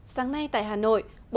sáng nay tại hà nội